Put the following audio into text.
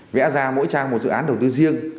vẽ ra mỗi trang một dự án đầu tư riêng